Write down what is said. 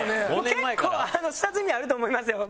結構下積みあると思いますよ